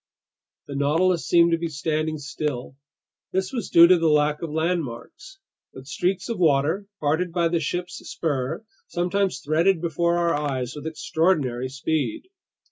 The Nautilus seemed to be standing still. This was due to the lack of landmarks. But streaks of water, parted by the ship's spur, sometimes threaded before our eyes with extraordinary speed.